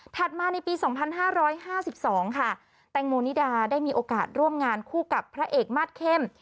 มาในปี๒๕๕๒ค่ะแตงโมนิดาได้มีโอกาสร่วมงานคู่กับพระเอกมาสเข้ม